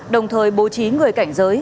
đồng thời bố trí người cảnh giới